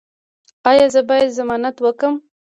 ایا زه باید ضمانت وکړم؟